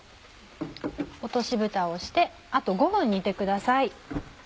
落としぶたをしてあと５分煮てください。